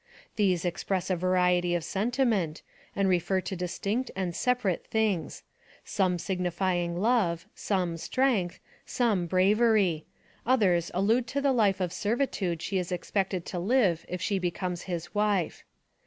These express a variety of sentiment, and refer to distinct and separate things; some signifying love; some, strength; some, bravery; others allude to the life of servitude she is expected to live if she becomes his wife.